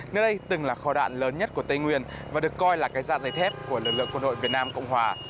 nơi đây từng là kho đạn lớn nhất của tây nguyên và được coi là cái da dây thép của lực lượng quân đội việt nam cộng hòa